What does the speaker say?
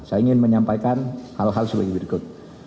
saya ingin menyampaikan hal hal sebagai berikut